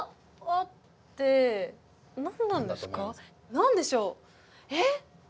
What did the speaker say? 何でしょうえっ？